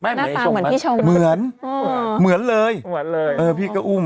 หน้าตาเหมือนพี่ชมเลยเหมือนเหมือนเลยเหมือนเลยเออพี่ก็อุ้ม